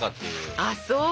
あっそう！